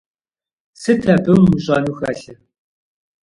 Сыт абы умыщӀэну хэлъыр?!